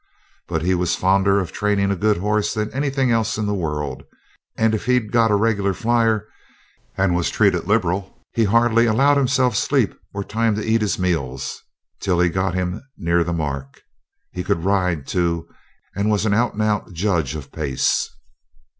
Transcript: But he was fonder of training a good horse than anything else in the world; and if he'd got a regular flyer, and was treated liberal, he'd hardly allow himself sleep or time to eat his meals till he'd got him near the mark. He could ride, too, and was an out and out judge of pace.